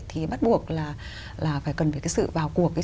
thì bắt buộc là phải cần phải cái sự vào cuộc